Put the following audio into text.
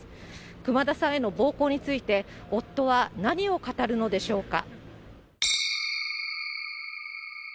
熊田さんへの暴行について、夫は何を語るのでしょうか。